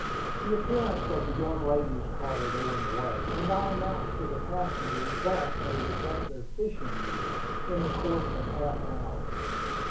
The appearance of the young ladies called Owen away, and I announced to the passengers that they would want their fishing gear in the course of half an hour.